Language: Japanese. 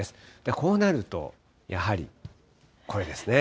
こうなるとやはりこれですね。